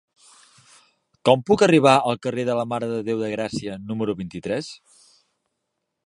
Com puc arribar al carrer de la Mare de Déu de Gràcia número vint-i-tres?